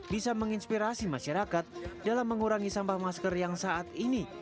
bisa menginspirasi masyarakat dalam mengurangi sampah masker yang saat ini